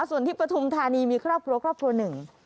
ส่วนที่ปฐุมธานีมีครอบครัวครอบครัวหนึ่ง